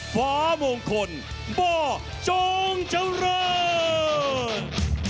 ฟ้ามงคลบ้าจงเจ้าเริ่ม